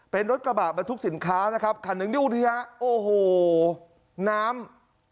เป็นรถกระบะบรรทุกสินค้านะครับคันหนึ่งนี่ดูสิฮะโอ้โหน้ำ